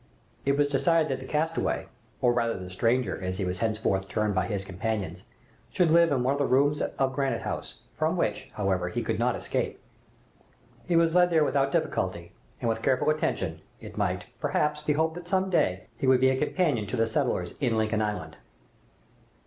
It was decided that the castaway, or rather the stranger as he was thenceforth termed by his companions, should live in one of the rooms of Granite House, from which, however, he could not escape. He was led there without difficulty, and with careful attention, it might, perhaps, be hoped that some day he would be a companion to the settlers in Lincoln Island.